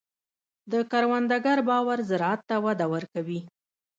د کروندګر باور زراعت ته وده ورکوي.